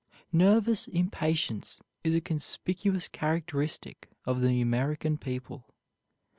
Nervous impatience is a conspicuous characteristic of the American people.